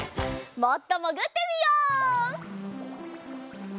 もっともぐってみよう！